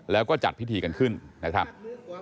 แล้วก็จัดพิธีกันขึ้นนะครับ